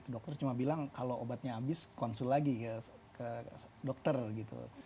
dokter cuma bilang kalau obatnya habis konsul lagi ke dokter gitu